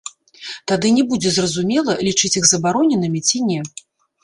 Тады не будзе зразумела, лічыць іх забароненымі, ці не.